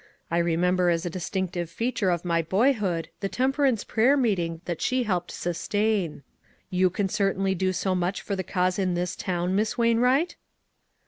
I remem ber as a distinctive feature of my boyhood the temperance prayer meeting that she helped sustain. You can certainly do so much for the cause in this town, Miss Wainwright?